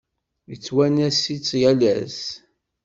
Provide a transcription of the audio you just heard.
Yettwanas-itt yal ass.